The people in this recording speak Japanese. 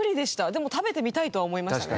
でも食べてみたいとは思いましたね。